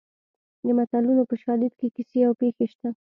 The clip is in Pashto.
د متلونو په شالید کې کیسې او پېښې شته